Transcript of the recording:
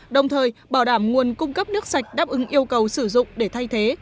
đồng thời bảo đảm nguồn cung cấp nước sạch đáp ứng yêu cầu sử dụng để thay thế